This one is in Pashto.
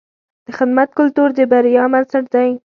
د خدمت کلتور د بریا بنسټ دی.